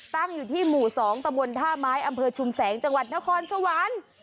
ตั้งอยู่ที่หมู่๒ตะบนท่าไม้อำเภอชุมแสงจังหวัดนครสวรรค์